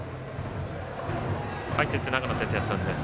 解説、長野哲也さんです。